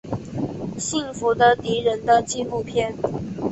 幸福的敌人的纪录片。